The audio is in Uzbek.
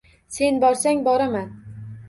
Sen borsang, boraman.